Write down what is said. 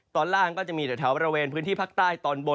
ตอนล่างก็จะมีแต่แถวบริเวณพื้นที่ภาคใต้ตอนบน